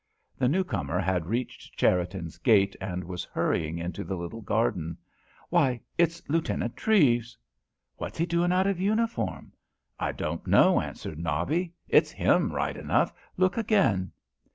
The new comer had reached Cherriton's gate and was hurrying into the little garden. "Why, it's Lieutenant Treves!" "What's he doing out of uniform?" "I don't know," answered Nobby. "It's him right enough. Look again."